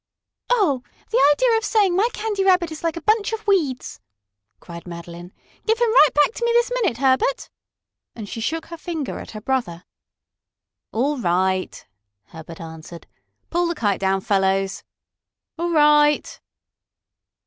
"Oh, the idea of saying my Candy Rabbit is like a bunch of weeds!" cried Madeline. "Give him right back to me this minute, Herbert!" and she shook her finger at her brother. "All right," Herbert answered. "Pull the kite down, fellows." "All right."